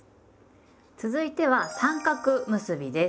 続いては「三角結び」です。